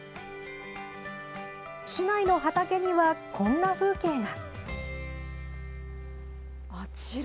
市内の畑には、こんな風景が。